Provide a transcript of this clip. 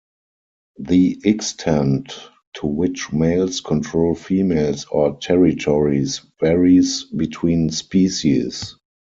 The extent to which males control females or territories varies between species.